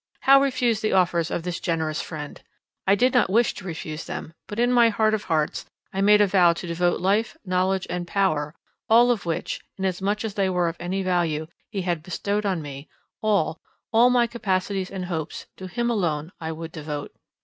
How refuse the offers of this generous friend?—I did not wish to refuse them; but in my heart of hearts, I made a vow to devote life, knowledge, and power, all of which, in as much as they were of any value, he had bestowed on me—all, all my capacities and hopes, to him alone I would devote.